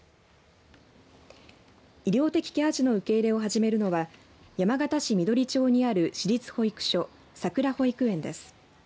医療的ケア児の受け入れを始めるのは山形市緑町にある市立保育所さくら保育園です。